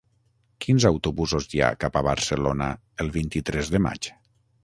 Quins autobusos hi ha cap a Barcelona el vint-i-tres de maig?